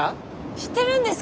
知ってるんですか？